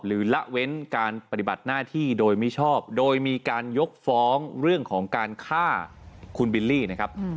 ละเว้นการปฏิบัติหน้าที่โดยมิชอบโดยมีการยกฟ้องเรื่องของการฆ่าคุณบิลลี่นะครับ